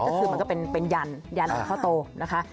ก็คือมันก็เป็นยันยันหลวงพ่อโตนะคะ